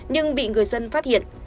nhưng bị người dân phát hiện